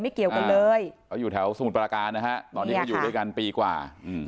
เกี่ยวกันเลยเขาอยู่แถวสมุทรปราการนะฮะตอนนี้เขาอยู่ด้วยกันปีกว่า